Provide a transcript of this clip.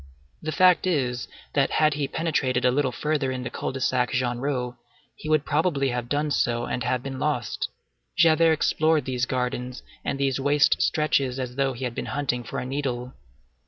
The fact is, that had he penetrated a little further in the Cul de Sac Genrot, he would probably have done so and have been lost. Javert explored these gardens and these waste stretches as though he had been hunting for a needle.